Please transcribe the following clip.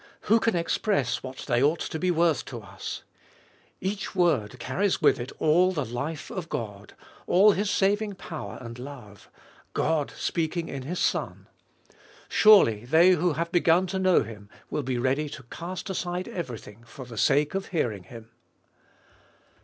Oh, who can express what ibolfest ot ail 33 they ought to be worth to us ! Each word carries with it all the life of God, all His saving power and love. God speaking in His Son ! Surely they who have begun to know Him will be ready to cast aside everything for the sake of hearing Him.